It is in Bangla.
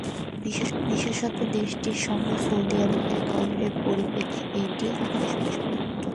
বিশেষত, দেশটির সঙ্গে সৌদি আরবের দ্বন্দ্বের পরিপ্রেক্ষিতে এটি আরও বিশেষভাবে সত্য।